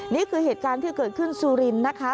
นี่คือเหตุการณ์ที่เกิดขึ้นสุรินทร์นะคะ